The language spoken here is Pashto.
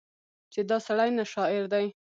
چې دا سړی نه شاعر دی